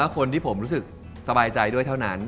คนที่ผมรู้สึกสบายใจแถวนั้น